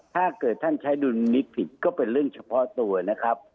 ถ้าเกิดท่านใช้ดุลมิตผิดก็เป็นเรื่องเฉพาะตัวนะครับ